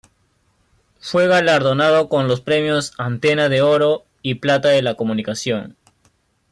Fue galardonado con los premios "Antena" de oro y plata de la comunicación.